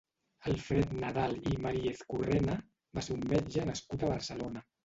Alfred Nadal i Mariezcurrena va ser un metge nascut a Barcelona.